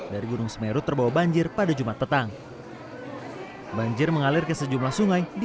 dari gunung semeru terbawa banjir pada jumat petang banjir mengalir ke sejumlah sungai di